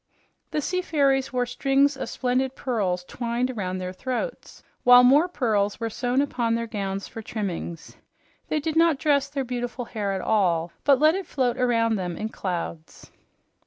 The sea fairies wore strings of splendid pearls twined around their throats, while more pearls were sewn upon their gowns for trimmings. They did not dress their beautiful hair at all, but let it float around them in clouds.